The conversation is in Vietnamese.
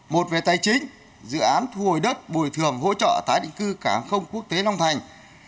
một về tài chính dự án thu hồi đất bồi thường hỗ trợ tái định cư cảng hàng không quốc tế long thành